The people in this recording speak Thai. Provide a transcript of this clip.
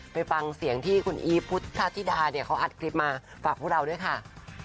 ไปฟังเสียงที่คุณอีฟพุทธธิดาเนี่ยเขาอัดคลิปมาฝากพวกเราด้วยค่ะ